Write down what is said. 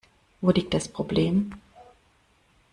Wo liegt das Problem?